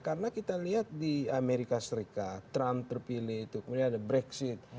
karena kita lihat di amerika serikat trump terpilih kemudian ada brexit